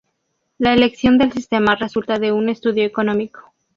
La elección del sistema resulta de un estudio económico.